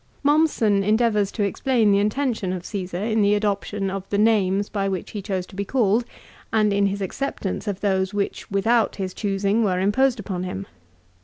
Mommsen endeavours to explain the intention of Csesar in the adoption of the names by which he chose to be called, and in his acceptance of those which without his choosing were imposed upon him.